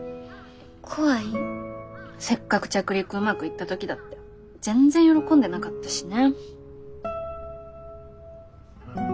せっかく着陸うまくいった時だって全然喜んでなかったしね。